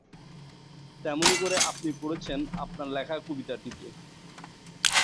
তেমনি করে আপনি পড়ছেন আপনার লেখা কবিতাটাকে।